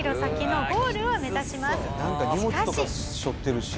しかし。